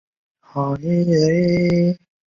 这是埃莉诺唯一留存于世的手书。